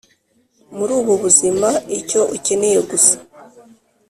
muri ubu buzima, icyo ukeneye gusa